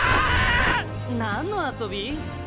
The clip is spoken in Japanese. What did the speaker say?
何の遊び？